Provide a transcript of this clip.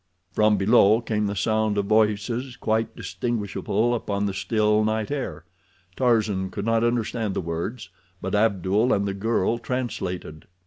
From below came the sound of voices, quite distinguishable upon the still night air. Tarzan could not understand the words, but Abdul and the girl translated.